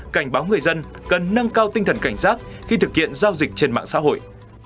cảnh báo người dân cần nâng cao tinh thần cảnh giác khi thực hiện giao dịch trên mạng xã hội